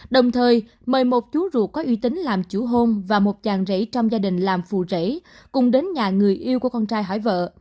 đồng thời mời một chú ruột có uy tính làm chủ hôn và một chàng rể trong gia đình làm phù rể cùng đến nhà người yêu của con trai hỏi vợ